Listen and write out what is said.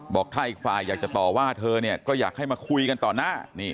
บอกถ้าอีกฝ่ายอยากจะต่อว่าเธอเนี่ยก็อยากให้มาคุยกันต่อหน้า